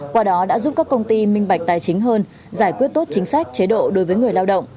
qua đó đã giúp các công ty minh bạch tài chính hơn giải quyết tốt chính sách chế độ đối với người lao động